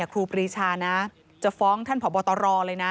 ครูปรีชานะจะฟ้องท่านผอบตรเลยนะ